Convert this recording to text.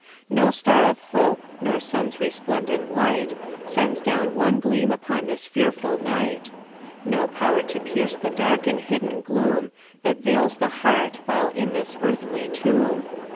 No star of hope, nor sun's resplendent light, Sends down one gleam upon this fearful night ; No power to pierce the dark and hidden gloom, That veils the heart while in this earthly tomb.